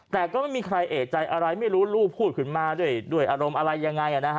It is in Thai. แต่ก็ไม่มีใครเอกใจอะไรไม่รู้ลูกพูดขึ้นมาด้วยอารมณ์อะไรยังไง